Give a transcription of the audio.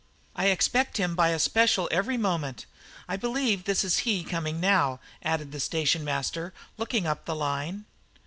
I expect him by a special every moment. I believe this is he coming now," added the station master, looking up the line.